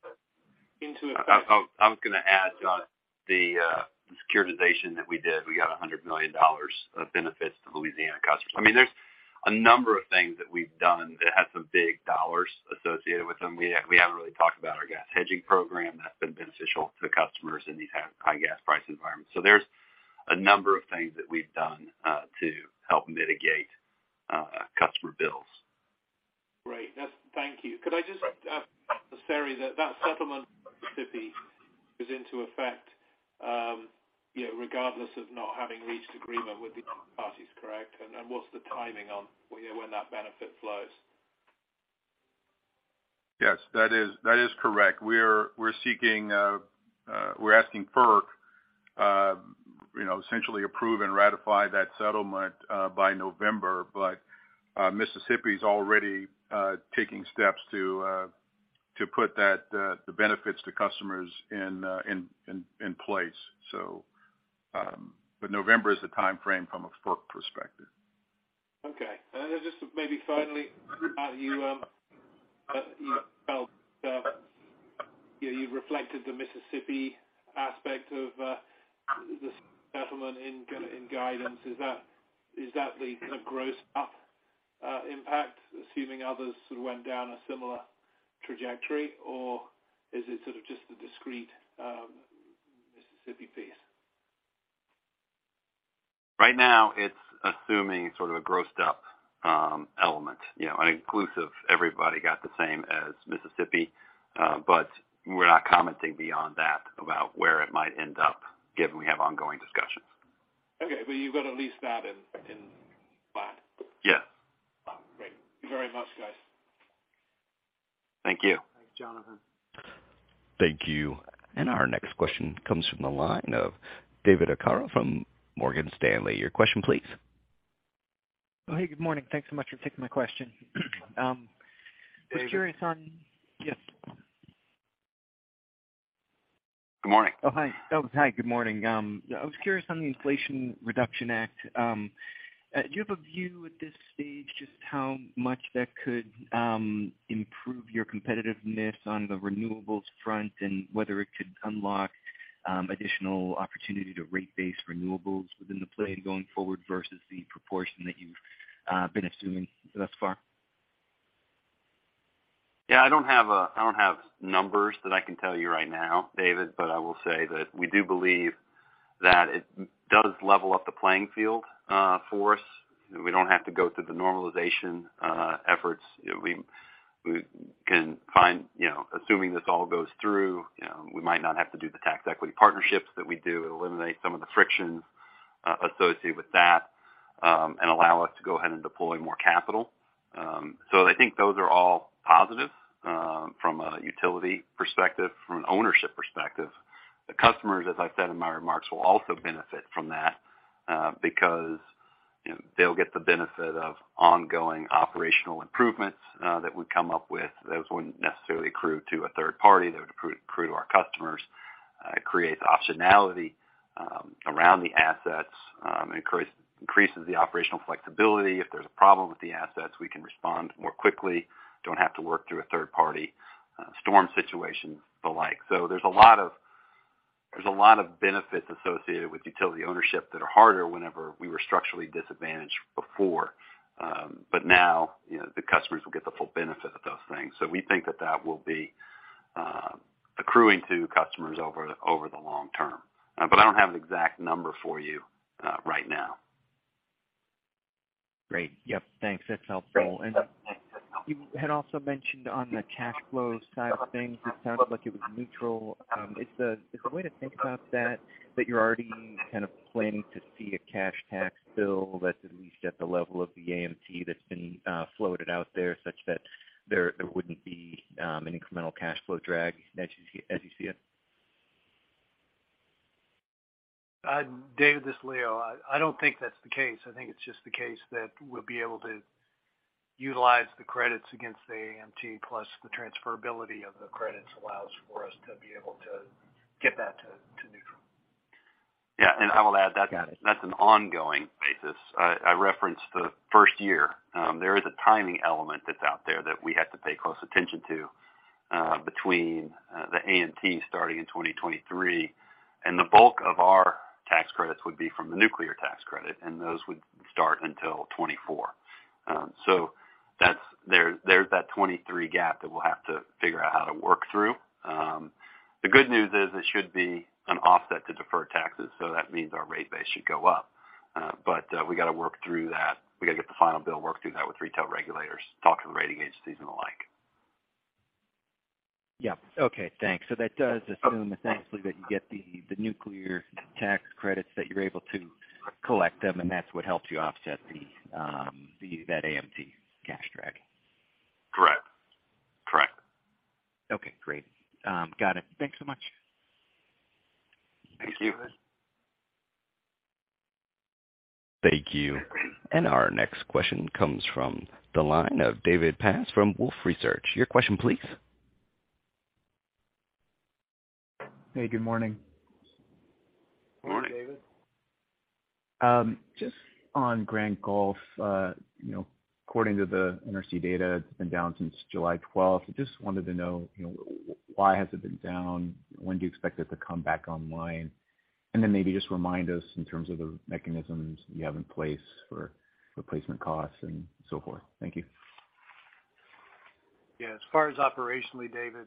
set into effect? I was gonna add that the securitization that we did. We got $100 million of benefits to Louisiana customers. I mean, there's a number of things that we've done that had some big dollars associated with them. We haven't really talked about our gas hedging program that's been beneficial to customers in these high gas price environments. There's a number of things that we've done to help mitigate customer bills. Thank you. Could I just ask, SERI that settlement in Mississippi is in effect, regardless of not having reached agreement with the other parties, correct? What's the timing on when that benefit flows? Yes. That is correct. We're asking FERC, you know, essentially approve and ratify that settlement by November butMississippi's already taking steps to put that the benefits to customers in place. November is the timeframe from a FERC perspective. Okay. Just maybe finally, you know, you reflected the Mississippi aspect of the settlement in guidance. Is that the kind of gross up impact, assuming others sort of went down a similar trajectory, or is it sort of just the discrete Mississippi piece? Right now, it's assuming sort of a grossed up, element. You know, an inclusive everybody got the same as Mississippi, but we're not commenting beyond that about where it might end up given we have ongoing discussions. Okay. You've got at least that in mind. Yes. Wow. Great. Thank you very much, guys. Thank you. Thanks, Jonathan. Thank you. Our next question comes from the line of David Arcaro from Morgan Stanley. Your question, please. Oh, hey, good morning. Thanks so much for taking my question. I was curious on- David. Yes. Good morning. I was curious on the Inflation Reduction Act. Do you have a view at this stage just how much that could improve your competitiveness on the renewables front and whether it could unlock additional opportunity to rate base renewables within the play going forward versus the proportion that you've been assuming thus far? Yeah, I don't have numbers that I can tell you right now, David, but I will say that we do believe that it does level up the playing field for us. We don't have to go through the normalization efforts. We can find, you know, assuming this all goes through, you know, we might not have to do the tax equity partnerships that we do. It'll eliminate some of the friction associated with that and allow us to go ahead and deploy more capital. I think those are all positive from a utility perspective, from an ownership perspective. The customers, as I said in my remarks, will also benefit from that because, you know, they'll get the benefit of ongoing operational improvements that we come up with. Those wouldn't necessarily accrue to a third party. They would accrue to our customers. It creates optionality around the assets, increases the operational flexibility. If there's a problem with the assets, we can respond more quickly. Don't have to work through a third party, storm situation, the like. There's a lot of benefits associated with utility ownership that are harder whenever we were structurally disadvantaged before. Now, you know, the customers will get the full benefit of those things. We think that will be accruing to customers over the long term. I don't have an exact number for you right now. Great. Yep. Thanks. That's helpful. You had also mentioned on the cash flows side of things, it sounded like it was neutral. Is the way to think about that you're already kind of planning to see a cash tax bill that's at least at the level of the AMT that's been floated out there such that there wouldn't be an incremental cash flow drag as you see it? David, this is Leo. I don't think that's the case. I think it's just the case that we'll be able to utilize the credits against the AMT plus the transferability of the credits allows for us to be able to get that to neutral. Yeah. I will add that. Got it. That's an ongoing basis. I referenced the first year. There is a timing element that's out there that we have to pay close attention to, between the AMT starting in 2023. The bulk of our tax credits would be from the nuclear tax credit, and those would start until 2024. That's 2023 gap that we'll have to figure out how to work through. The good news is it should be an offset to deferred taxes, so that means our rate base should go up. We gotta work through that. We gotta get the final bill, work through that with retail regulators, talk to the rating agencies and the like. Yeah. Okay, thanks. That does assume essentially that you get the nuclear tax credits, that you're able to collect them, and that's what helps you offset that AMT cash drag. Correct. Correct. Okay, great. Got it. Thanks so much. Thank you. Thank you. Our next question comes from the line of David Paz from Wolfe Research. Your question please. Hey, good morning. Morning, David. Just on Grand Gulf. You know, according to the NRC data, it's been down since July 12th. I just wanted to know, you know, why has it been down? When do you expect it to come back online? Maybe just remind us in terms of the mechanisms you have in place for replacement costs and so forth. Thank you. Yeah. As far as operationally, David,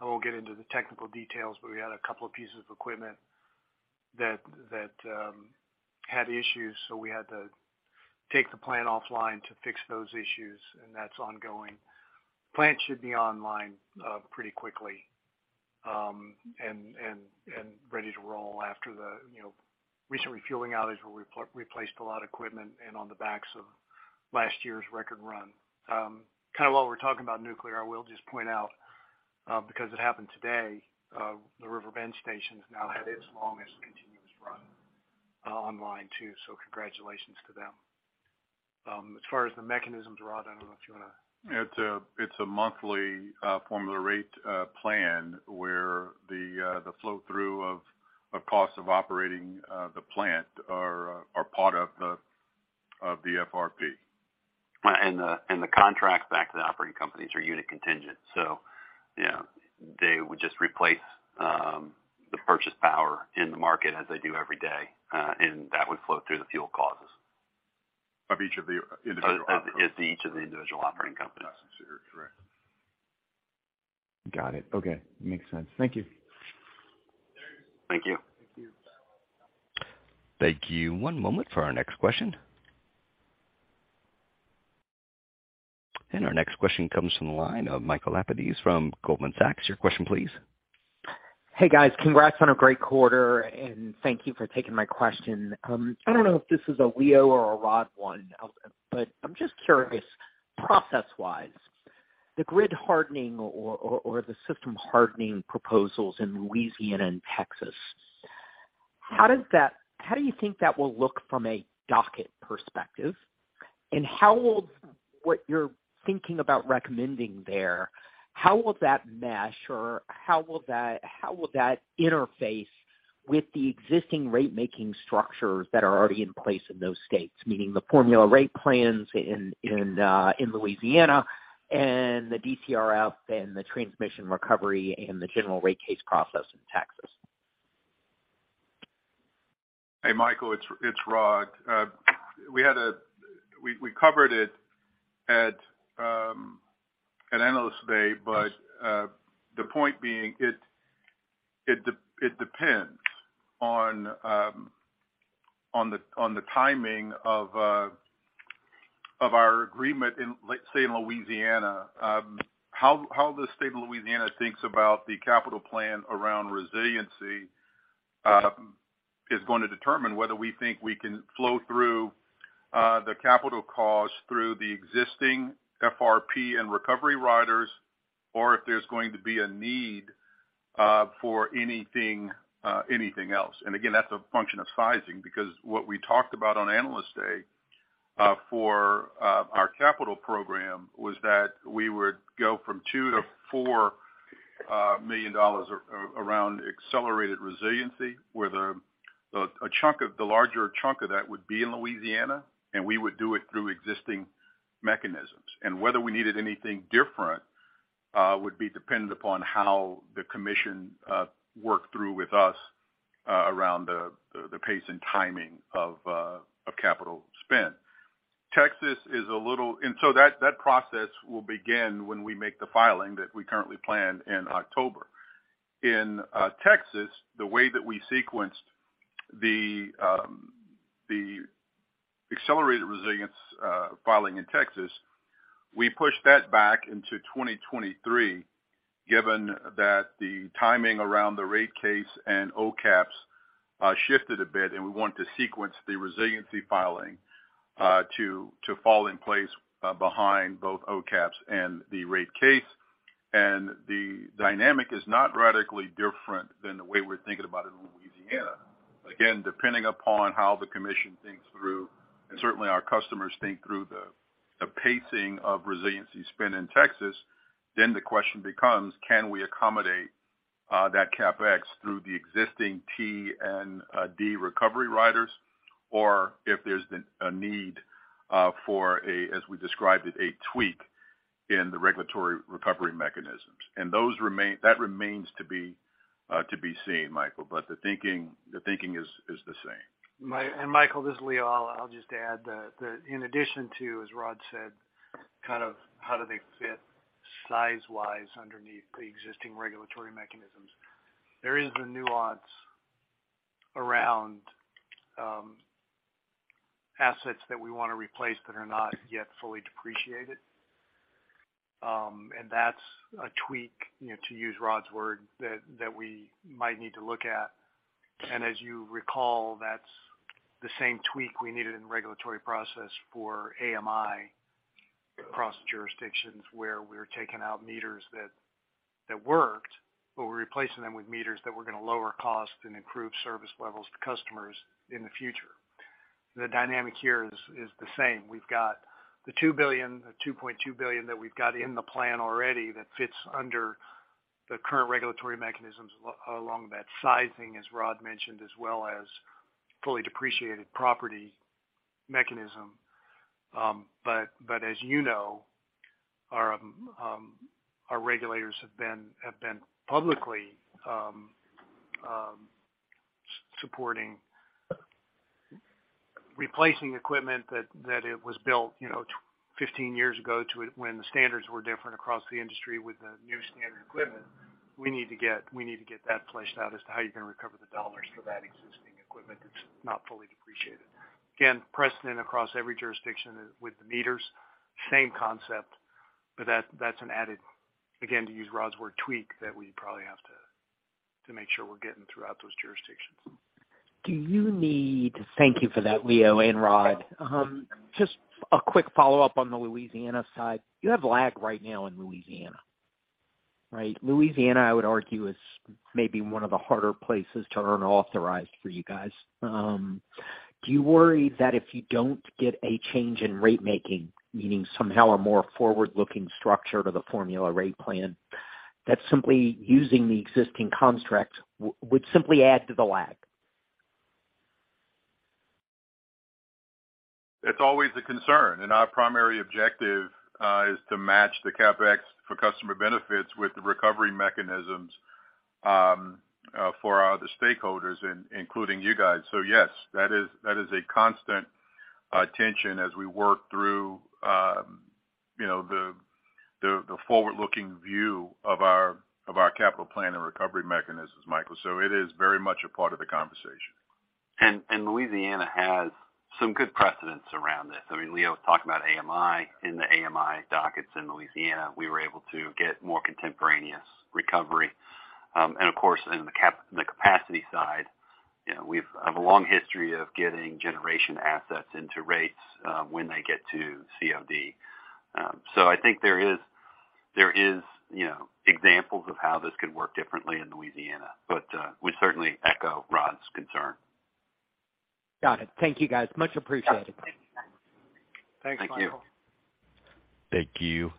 I won't get into the technical details, but we had a couple of pieces of equipment that had issues, so we had to take the plant offline to fix those issues, and that's ongoing. Plant should be online pretty quickly, and ready to roll after the, you know, recent refueling outage where we replaced a lot of equipment and on the backs of last year's record run. Kind of while we're talking about nuclear, I will just point out, because it happened today, the River Bend Station has now had its longest continuous run online too, so congratulations to them. As far as the mechanisms, Rod, I don't know if you wanna... It's a monthly formula rate plan, where the flow-through of costs of operating the plant are part of the FRP. The contracts back to the operating companies are unit contingent. Yeah, they would just replace the purchased power in the market as they do every day, and that would flow through the fuel clauses. Of each of the individual operating companies. Of each of the individual operating companies. That's it. Correct. Got it. Okay. Makes sense. Thank you. Thank you. Thank you. Thank you. One moment for our next question. Our next question comes from the line of Michael Lapides from Goldman Sachs. Your question please. Hey, guys. Congrats on a great quarter, and thank you for taking my question. I don't know if this is a Leo or a Rod one, but I'm just curious, process-wise, the grid hardening or the system hardening proposals in Louisiana and Texas, how do you think that will look from a docket perspective? And how will what you're thinking about recommending there, how will that mesh or how will that interface with the existing rate-making structures that are already in place in those states? Meaning the formula rate plans in Louisiana and the DCRF and the transmission recovery and the general rate case process in Texas. Hey, Michael, it's Rod. We covered it at Analyst Day, but the point being it depends on the timing of our agreement in, let's say, Louisiana. How the state of Louisiana thinks about the capital plan around resiliency is going to determine whether we think we can flow through the capital costs through the existing FRP and recovery riders or if there's going to be a need for anything else. Again, that's a function of sizing because what we talked about on Analyst Day for our capital program was that we would go from $2 million-$4 million around accelerated resiliency, where the larger chunk of that would be in Louisiana, and we would do it through existing mechanisms. Whether we needed anything different would be dependent upon how the commission worked through with us around the pace and timing of capital spend. Texas is a little, and so that process will begin when we make the filing that we currently plan in October. In Texas, the way that we sequenced the accelerated resilience filing in Texas, we pushed that back into 2023, given that the timing around the rate case and OCAPS shifted a bit, and we want to sequence the resiliency filing to fall in place behind both OCAPS and the rate case. The dynamic is not radically different than the way we're thinking about it in Louisiana. Again, depending upon how the commission thinks through, and certainly our customers think through the pacing of resiliency spend in Texas, then the question becomes, can we accommodate that CapEx through the existing T&D recovery riders or if there's a need for a, as we described it, a tweak in the regulatory recovery mechanisms. That remains to be seen, Michael, but the thinking is the same. Michael, this is Leo. I'll just add that in addition to, as Rod said, kind of how do they fit size-wise underneath the existing regulatory mechanisms, there is the nuance around assets that we wanna replace that are not yet fully depreciated. That's a tweak, you know, to use Rod's word, that we might need to look at. As you recall, that's the same tweak we needed in regulatory process for AMI across jurisdictions where we're taking out meters that worked, but we're replacing them with meters that were gonna lower cost and improve service levels to customers in the future. The dynamic here is the same. We've got the $2 billion, $2.2 billion that we've got in the plan already that fits under the current regulatory mechanisms along that sizing, as Rod mentioned, as well as fully depreciated property mechanism. But as you know, our regulators have been publicly supporting replacing equipment that was built, you know, 15 years ago when the standards were different across the industry with the new standard equipment. We need to get that fleshed out as to how you're gonna recover the dollars for that existing equipment that's not fully depreciated. Again, precedent across every jurisdiction with the meters, same concept, but that's an added, again, to use Rod's word, tweak that we probably have to make sure we're getting throughout those jurisdictions. Thank you for that, Leo and Rod. Just a quick follow-up on the Louisiana side. You have lag right now in Louisiana, right? Louisiana, I would argue, is maybe one of the harder places to earn authorized for you guys. Do you worry that if you don't get a change in rate making, meaning somehow a more forward-looking structure to the formula rate plan, that simply using the existing constructs would simply add to the lag? It's always a concern, and our primary objective is to match the CapEx for customer benefits with the recovery mechanisms for the stakeholders, including you guys. Yes, that is a constant tension as we work through you know, the forward-looking view of our capital plan and recovery mechanisms, Michael. It is very much a part of the conversation. Louisiana has some good precedents around this. I mean, Leo was talking about AMI. In the AMI dockets in Louisiana, we were able to get more contemporaneous recovery. Of course, in the capacity side, you know, we have a long history of getting generation assets into rates when they get to COD. I think there is, you know, examples of how this could work differently in Louisiana. We certainly echo Rod's concern. Got it. Thank you, guys. Much appreciated. Thanks, Michael. Thank you. Thank you.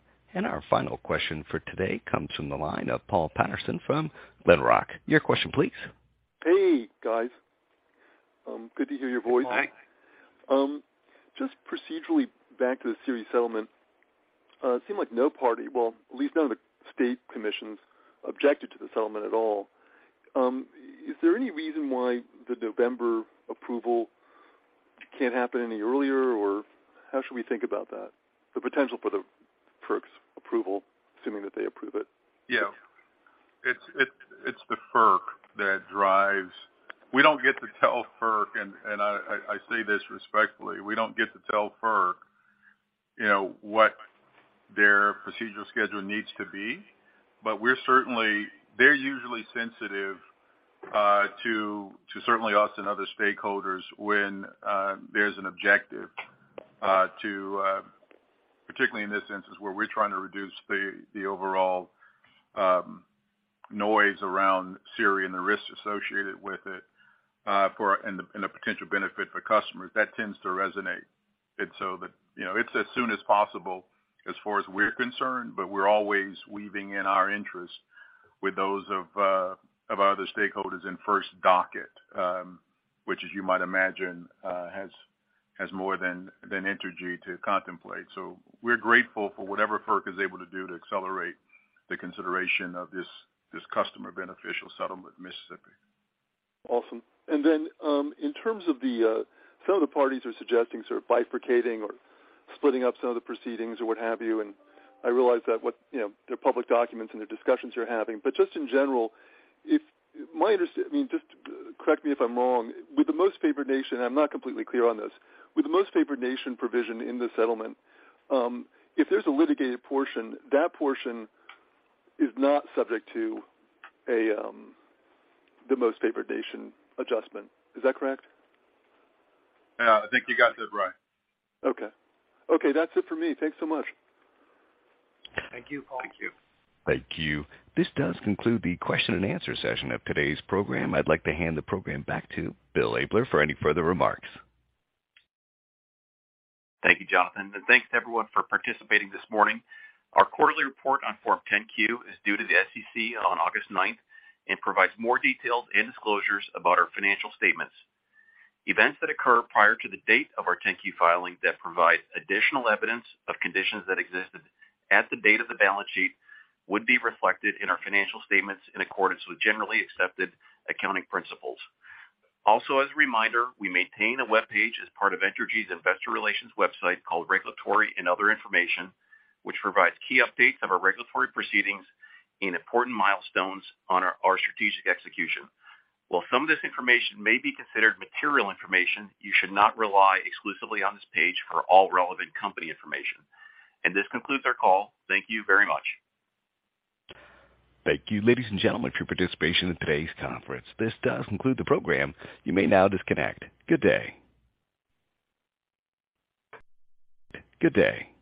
Our final question for today comes from the line of Paul Patterson from Glenrock. Your question, please. Hey, guys. Good to hear your voice. Hi. Just procedurally back to the SERI settlement, it seemed like no party, well, at least none of the state commissions, objected to the settlement at all. Is there any reason why the November approval can't happen any earlier, or how should we think about that? The potential for the FERC's approval, assuming that they approve it. Yeah. It's the FERC that drives. We don't get to tell FERC, and I say this respectfully, we don't get to tell FERC, you know, what their procedural schedule needs to be, but we're certainly. They're usually sensitive to us and other stakeholders when there's an objective to particularly in this instance where we're trying to reduce the overall noise around SERI and the risks associated with it, and the potential benefit for customers. That tends to resonate. It's as soon as possible as far as we're concerned, but we're always weaving in our interests with those of our other stakeholders in FERC docket, which as you might imagine has more than Entergy to contemplate. We're grateful for whatever FERC is able to do to accelerate the consideration of this customer beneficial settlement in Mississippi. Awesome. In terms of some of the parties are suggesting sort of bifurcating or splitting up some of the proceedings or what have you. I realize that, what you know, they're public documents and the discussions you're having. Just in general, I mean, just correct me if I'm wrong. With the most favored nation, I'm not completely clear on this. With the most favored nation provision in the settlement, if there's a litigated portion, that portion is not subject to the most favored nation adjustment. Is that correct? Yeah, I think you got that right. Okay. Okay, that's it for me. Thanks so much. Thank you. Thank you. Thank you. This does conclude the question-and-answer session of today's program. I'd like to hand the program back to Bill Abler for any further remarks. Thank you, Jonathan, and thanks to everyone for participating this morning. Our quarterly report on Form 10-Q is due to the SEC on August 9th and provides more details and disclosures about our financial statements. Events that occur prior to the date of our Form 10-Q filing that provide additional evidence of conditions that existed at the date of the balance sheet would be reflected in our financial statements in accordance with generally accepted accounting principles. Also, as a reminder, we maintain a webpage as part of Entergy's investor relations website called Regulatory and Other Information, which provides key updates of our regulatory proceedings and important milestones on our strategic execution. While some of this information may be considered material information, you should not rely exclusively on this page for all relevant company information. This concludes our call. Thank you very much. Thank you, ladies and gentlemen, for your participation in today's conference. This does conclude the program. You may now disconnect. Good day. Good day.